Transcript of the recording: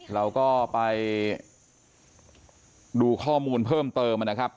เราก็ไปดูข้อมูลเพิ่มเติมนะครับ